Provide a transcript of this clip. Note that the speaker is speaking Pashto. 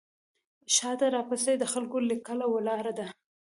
شاته راپسې د خلکو لیکه ولاړه ده.